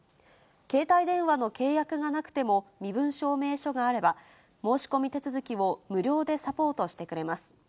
携帯電話の契約がなくても、身分証明書があれば、申し込み手続きを無料でサポートしてくれます。